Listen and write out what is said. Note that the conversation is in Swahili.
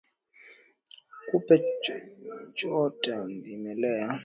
Kupe huchota vimelea vya ugonjwa wa ndigana kutoka kwa mnyama aliyeathirika wakati wa kula